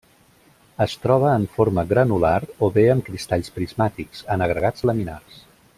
Es troba en forma granular, o bé amb cristalls prismàtics, en agregats laminars.